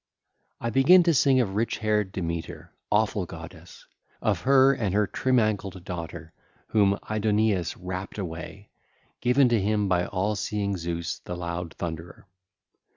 1 3) I begin to sing of rich haired Demeter, awful goddess—of her and her trim ankled daughter whom Aidoneus rapt away, given to him by all seeing Zeus the loud thunderer.